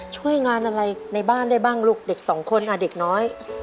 ช่วยงานอะไรในบ้านได้บ้างลูกเด็กสองคนอ่ะเด็กน้อย